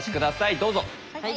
どうぞ。